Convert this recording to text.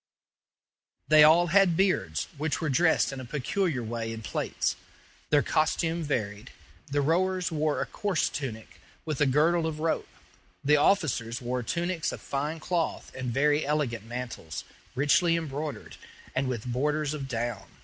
They all had beards, which were dressed in a peculiar way in plaits. Their costume varied. The rowers wore a coarse tunic, with a girdle of rope. The officers wore tunics of fine cloth and very elegant mantles, richly embroidered, and with borders of down.